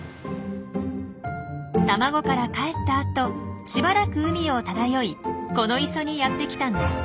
卵からかえったあとしばらく海を漂いこの磯にやって来たんです。